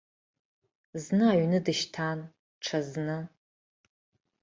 Зны аҩны дышьҭан, ҽазны.